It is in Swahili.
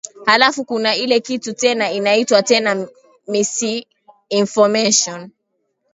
halafu kuna ile kitu tena inaitwa tena misinformation